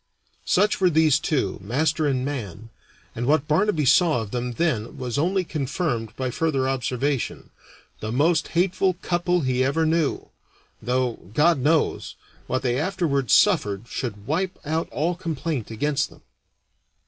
Such were these two, master and man, and what Barnaby saw of them then was only confirmed by further observation the most hateful couple he ever knew; though, God knows, what they afterward suffered should wipe out all complaint against them.